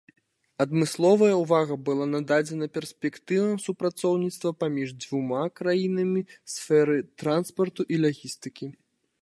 Адмысловая ўвага была нададзеная перспектывам супрацоўніцтва паміж дзвюма краінамі ў сферы транспарту і лагістыкі.